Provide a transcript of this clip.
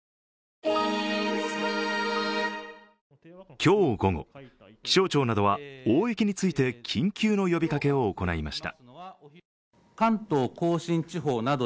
今日午後、気象庁などは大雪について緊急の呼びかけを行いました。